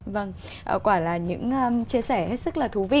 vâng quả là những chia sẻ hết sức là thú vị